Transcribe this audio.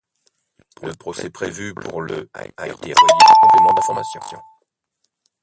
Le procès prévu pour le a été renvoyé pour complément d'information.